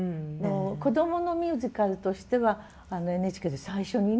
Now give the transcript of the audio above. こどものミュージカルとしてはＮＨＫで最初にね